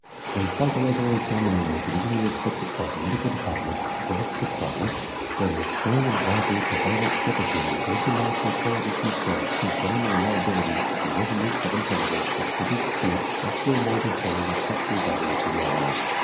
When psychological examining was originally accepted by the Medical Department for official trial, there was extreme and widely prevalent skepticism even among psychologists themselves concerning the reliability of the measurements of intelligence which could be secured and still more concerning their practical value to the Army.